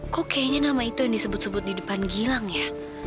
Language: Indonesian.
kok kayaknya nama itu yang disebut sebut di depan gilang ya